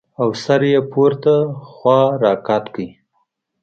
او سر يې پورته خوا راقات کړ.